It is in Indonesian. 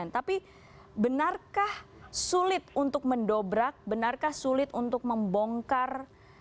tapi benarkah sulit untuk mendobrak benarkah sulit untuk membongkar